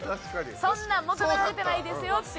そんなん求められてないですよっていう。